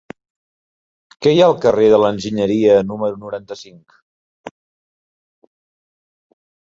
Què hi ha al carrer de l'Enginyeria número noranta-cinc?